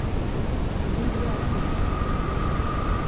Jag kan inte göra mer.